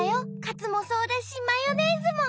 カツもそうだしマヨネーズも。